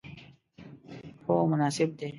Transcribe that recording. هو، مناسب دی